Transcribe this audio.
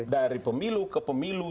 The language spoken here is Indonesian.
dari pemilu ke pemilu